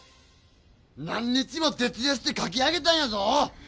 何日もてつ夜してかき上げたんやぞ！